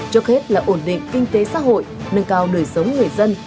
trước hết là ổn định kinh tế xã hội nâng cao đời sống người dân